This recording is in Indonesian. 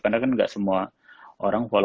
karena kan gak semua orang volumenya